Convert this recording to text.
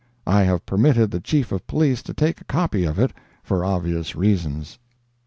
I have permitted the Chief of Police to take a copy of it, for obvious reasons.